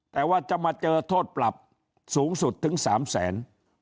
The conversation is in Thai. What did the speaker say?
แต่ว่าจะมาเจอโทษปรับสูงสุดถึง๓แสน